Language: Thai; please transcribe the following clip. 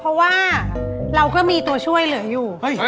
เพราะว่าเราก็มีตัวช่วยเหลืออยู่